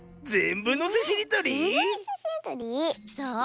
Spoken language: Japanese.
そう。